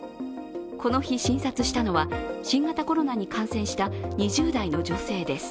この日診察したのは、新型コロナに感染した２０代の女性です。